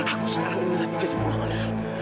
aku sekarang milih jadi burungnya